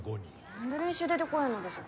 何で練習出てこうへんのですか